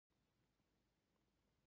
ته به خپله وایې چي شپاړس کلن یم.